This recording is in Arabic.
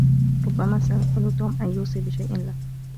ربما سنسأل توم أن يوصي بشئ لك.